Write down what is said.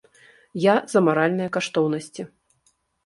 Я за маральныя каштоўнасці.